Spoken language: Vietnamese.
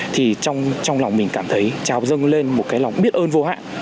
thì trong lòng mình cảm thấy trào dâng lên một cái lòng biết ơn vô hạn